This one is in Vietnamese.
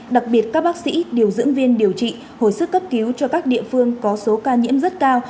đặc biệt các bác sĩ điều dưỡng viên điều trị hồi sức cấp cứu cho các địa phương có số ca nhiễm rất cao